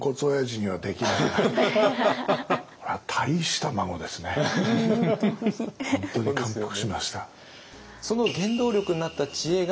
これは本当に感服しました。